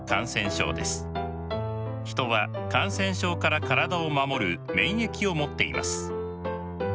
人は感染症から体を守る「免疫」を持っています。